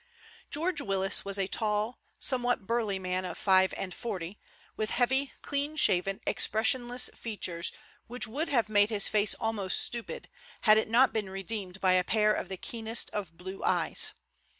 George Willis was a tall, somewhat burly man of five and forty, with heavy, clean shaven, expressionless features which would have made his face almost stupid, had it not been redeemed by a pair of the keenest of blue eyes.